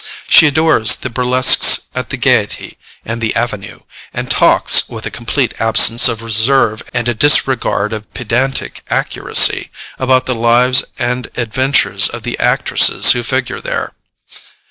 She adores the burlesques at the Gaiety and the Avenue, and talks, with a complete absence of reserve and a disregard of pedantic accuracy, about the lives and adventures of the actresses who figure there.